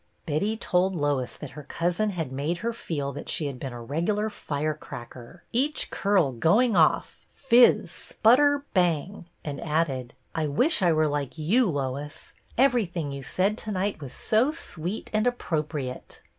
Betty told Lois that her cousin had made her feel that she had been a regular fire cracker, " each curl going off fizz — sputter — bang!" and added, "I wish I were like you, Lois. Everything you said to night was so sweet and appropriate."